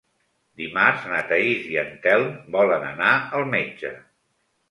Dimarts na Thaís i en Telm volen anar al metge.